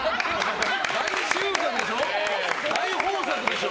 大収穫でしょ？